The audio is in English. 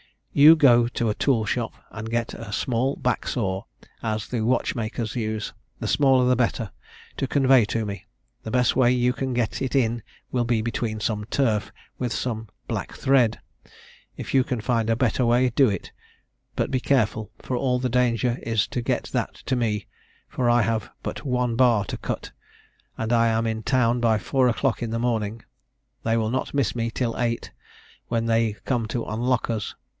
You go to a tool shop, and get a small back saw, as the watch makers use, the smaller the better, to convey to me: the best way you can get it in will be between some turf, with some black thread; if you can find a better way, do it; but be careful, for all the danger is to get that to me, for I have but one bar to cut, and I am in town by four o'clock in the morning. They will not miss me till eight, when they come to unlock us.